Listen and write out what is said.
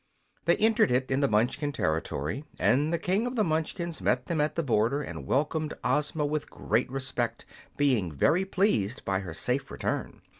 They entered it in the Munchkin territory, and the King of the Munchkins met them at the border and welcomed Ozma with great respect, being very pleased by her safe return.